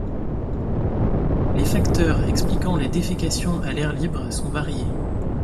Les facteurs expliquant la défécation à l'air libre sont variés.